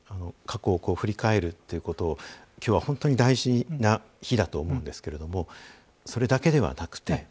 過去を振り返るということをきょうは本当に大事な日だと思うんですけれどもそれだけではなくて。